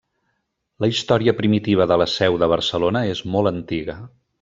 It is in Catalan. La història primitiva de la seu de Barcelona és molt antiga.